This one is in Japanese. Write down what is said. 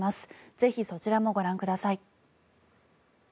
ぜひそちらもご覧ください。